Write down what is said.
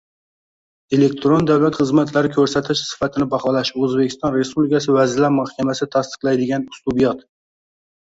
Elektron davlat xizmatlari ko‘rsatish sifatini baholash O‘zbekiston Respublikasi Vazirlar Mahkamasi tasdiqlaydigan uslubiyot